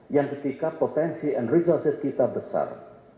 yang ketika potensi and resources kita besar